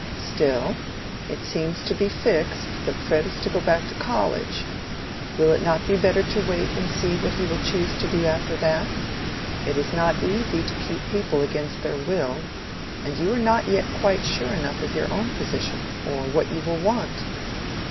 "Still, it seems to be fixed that Fred is to go back to college: will it not be better to wait and see what he will choose to do after that? It is not easy to keep people against their will. And you are not yet quite sure enough of your own position, or what you will want."